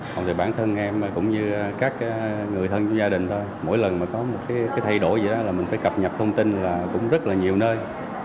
còn thì bản thân em cũng như các người thân gia đình thôi mỗi lần mà có một cái thay đổi vậy là mình phải cập nhật thông tin là cũng rất là nhiều nơi